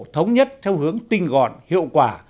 thống nhất theo hướng tinh gọn hiệu quả